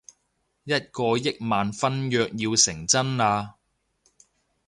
一個億萬婚約要成真喇